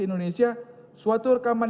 indonesia suatu rekaman